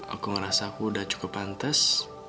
aku ngerasa aku udah cukup pantes